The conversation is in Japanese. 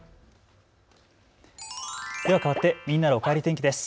かわってみんなのおかえり天気です。